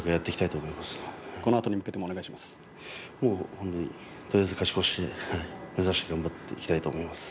とりあえず勝ち越しを目指して頑張っていきたいと思います。